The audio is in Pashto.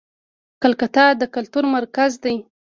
کلکته د کلتور مرکز دی.